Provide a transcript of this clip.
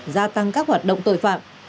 gia tăng các hoạt động tội phạm